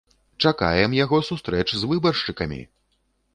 Чакаем яго сустрэч з выбаршчыкамі!